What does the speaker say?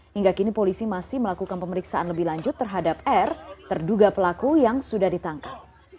hingga kini polisi masih melakukan pemeriksaan lebih lanjut terhadap r terduga pelaku yang sudah ditangkap